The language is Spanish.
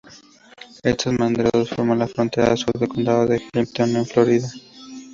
Estos meandros forman la frontera sur del condado de Hamilton, en Florida.